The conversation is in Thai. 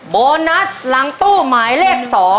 โบนัสหลังตู้หมายเลข๒